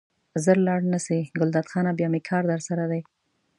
ژر لاړ نه شې ګلداد خانه بیا مې کار درسره دی.